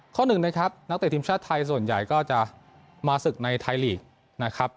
หนึ่งนะครับนักเตะทีมชาติไทยส่วนใหญ่ก็จะมาศึกในไทยลีกนะครับ